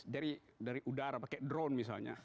dari udara pakai drone misalnya